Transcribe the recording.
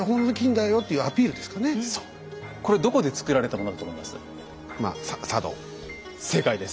これどこでつくられたものだと思います？